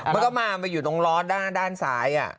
มันก็มาไปอยู่ตรงล้อด้านซ้าย